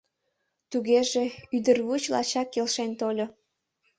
Тугеже, ӱдырвуч лачак келшен тольо.